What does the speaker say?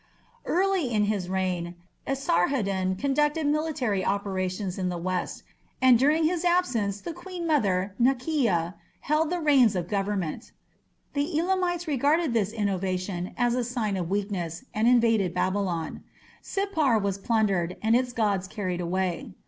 Early in his reign Esarhaddon conducted military operations in the west, and during his absence the queen mother Naki'a held the reins of government. The Elamites regarded this innovation as a sign of weakness, and invaded Babylon. Sippar was plundered, and its gods carried away.